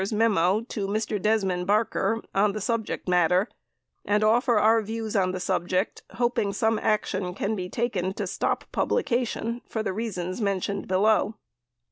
's memo to Mr. Desmond Barker on the subject matter and offer our views on the subject, hoping some action can be taken to stop publication for the reasons mentioned below.